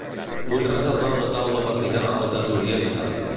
Vull reservar una taula per dinar al Desoriente.